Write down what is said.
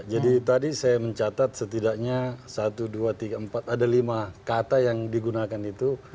jadi tadi saya mencatat setidaknya satu dua tiga empat ada lima kata yang digunakan itu